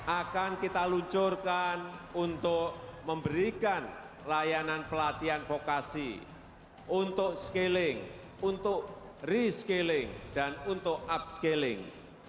akan kita luncurkan untuk memberikan layanan pelatihan vokasi untuk scaling untuk rescaling dan untuk upscaling